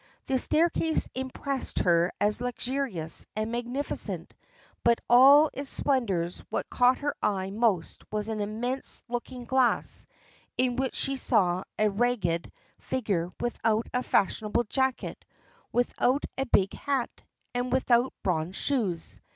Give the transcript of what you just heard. The staircase impressed her as luxurious, and magnificent, but of all its splendours what caught her eye most was an immense looking glass, in which she saw a ragged figure without a fashionable jacket, without a big hat, and without bronze shoes.